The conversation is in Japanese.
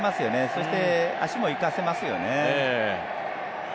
そして、足も生かせますよね。